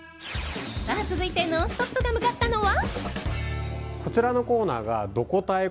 続いて「ノンストップ！」が向かったのは。